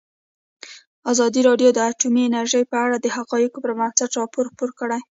ازادي راډیو د اټومي انرژي په اړه د حقایقو پر بنسټ راپور خپور کړی.